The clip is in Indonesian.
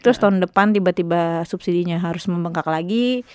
terus tahun depan tiba tiba subsidinya harus membengkak lagi